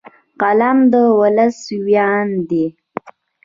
قلم د ولس ویاند دی